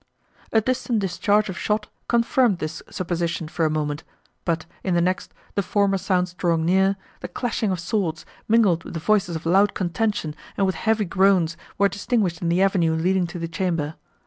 A distant discharge of shot confirmed this supposition for a moment, but, in the next, the former sounds drawing nearer, the clashing of swords, mingled with the voices of loud contention and with heavy groans, were distinguished in the avenue leading to the chamber.